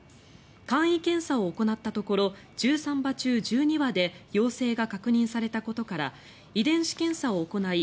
簡易検査を行ったところ１３羽中１２羽で陽性が確認されたことから遺伝子検査を行い